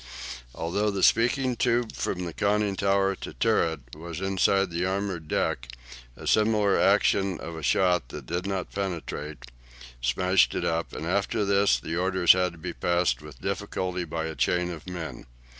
Although the speaking tube from conning tower to turret was inside the armoured deck, a similar action of a shot, that did not penetrate, smashed it up, and after this orders had to be passed with difficulty by a chain of men.